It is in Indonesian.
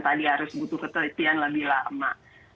tadi harus butuh ketelitian lebih lama